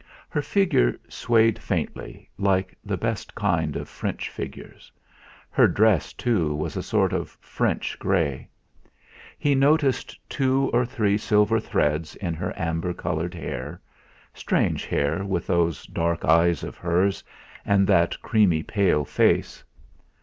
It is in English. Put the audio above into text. Her figure swayed faintly, like the best kind of French figures; her dress, too, was a sort of French grey. He noticed two or three silver threads in her amber coloured hair, strange hair with those dark eyes of hers, and that creamy pale face.